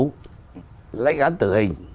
lãnh áp của bộ trưởng